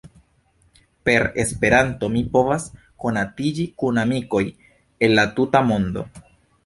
Per Esperanto mi povas konatiĝi kun amikoj el la tuta mondo.